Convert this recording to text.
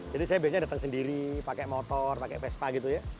jadi saya biasanya datang sendiri pakai motor pakai vespa gitu ya